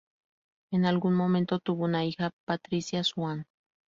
En algún momento, tuvo una hija, Patricia Swann.